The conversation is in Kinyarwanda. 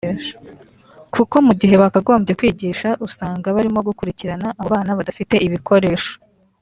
kuko mu gihe bakagombye kwigisha usanga barimo gukurikirana abo bana badafite ibikoresho